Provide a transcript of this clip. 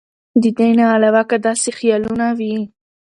د دې نه علاوه کۀ داسې خيالونه وي